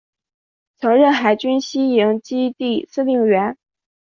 曾任海军西营基地司令员。